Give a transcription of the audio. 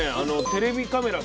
テレビカメラ